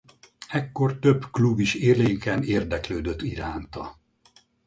Ekkor több klub is élénken érdeklődött iránta.